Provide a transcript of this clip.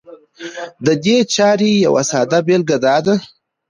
د دې چارې يوه ساده بېلګه دا ده